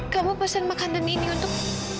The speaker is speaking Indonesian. kamu pesen makanan ini untuk